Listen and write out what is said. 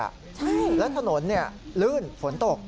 ใช่แล้วถนนลื่นฝนตก